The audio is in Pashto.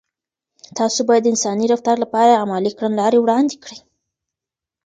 تاسو باید د انساني رفتار لپاره عملي کړنلارې وړاندې کړئ.